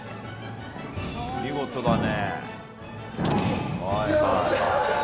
見事だね。